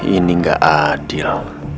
ini gak adil